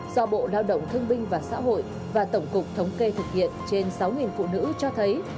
do bộ lao động thương binh và xã hội và tổng cục thống kê thực hiện trên sáu phụ nữ cho thấy